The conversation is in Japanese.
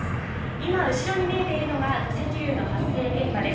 今、後ろに見えてるのが土石流の発生現場です。